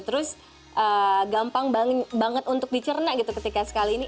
terus gampang banget untuk dicerna gitu ketika sekali ini